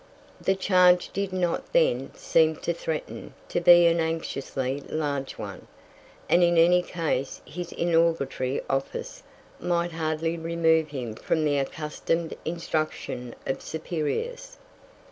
The charge did not then seem to threaten to be an anxiously large one, and in any case his inauguratory office might hardly remove him from the accustomed instruction of superiors.